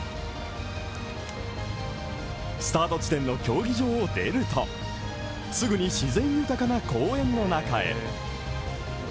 スタート地点の競技場を出るとすぐに自然豊かな公園の中へ。